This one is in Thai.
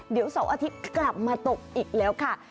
เดี๋ยวเสาร์อาทิตย์กลับมาตกอีกแล้วค่ะ